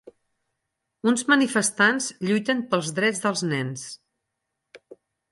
Uns manifestants lluiten pels drets dels nens.